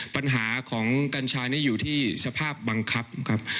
ปัญหาของกัญชานี้อยู่ที่สภาพบังคับครับ